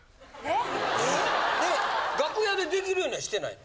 楽屋で出来るようにはしてないの？